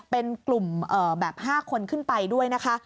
เป็นกลุ่มแบบ๕คนขึ้นไปด้วยนะคะ